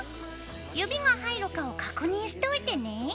指が入るかを確認しておいてね。